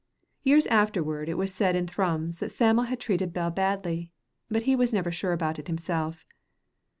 Years afterward it was said in Thrums that Sam'l had treated Bell badly, but he was never sure about it himself.